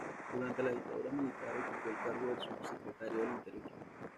Durante la dictadura militar ocupó el cargo de subsecretario del Interior.